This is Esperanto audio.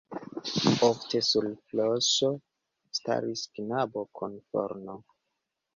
Ofte sur floso staris kabano kun forno.